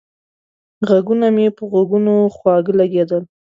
غږونه مې په غوږونو خواږه لگېدل